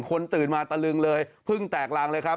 ตื่นมาตะลึงเลยเพิ่งแตกรังเลยครับ